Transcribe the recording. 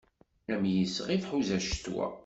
Am yisɣi tḥuza ccetwa.